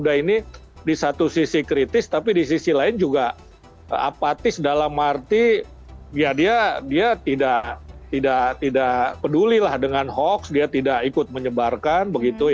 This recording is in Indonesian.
ini di satu sisi kritis tapi di sisi lain juga apatis dalam arti ya dia tidak pedulilah dengan hoax dia tidak ikut menyebarkan begitu